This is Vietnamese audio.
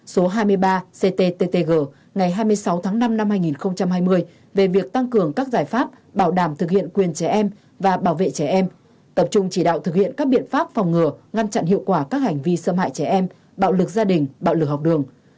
số hai mươi ba cttg ngày hai mươi sáu tháng năm năm hai nghìn hai mươi về việc tăng cường các giải pháp bảo đảm thực hiện quyền trẻ em và bảo vệ trẻ em tập trung chỉ đạo thực hiện các biện pháp phòng ngừa ngăn chặn hiệu quả các hành vi xâm hại trẻ em bạo lực gia đình bạo lực học đường